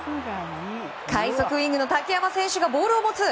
快速ウィングの竹山選手がボールを持つ。